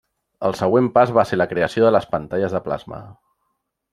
El següent pas va ser la creació de les pantalles de plasma.